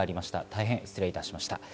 大変失礼いたしました。